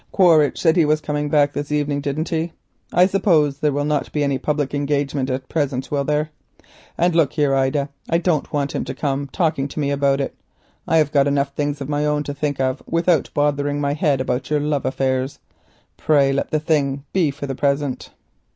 Quaritch said he was coming back this evening, didn't he? I suppose there will not be any public engagement at present, will there? And look here, Ida, I don't want him to come talking to me about it. I have got enough things of my own to think of without bothering my head with your love affairs. Pray let the matter be for the present.